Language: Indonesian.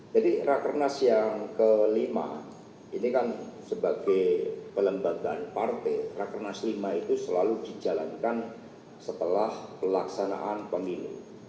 jadi rakernas yang kelima ini kan sebagai kelembagaan partai rakernas v itu selalu dijalankan setelah pelaksanaan pemilu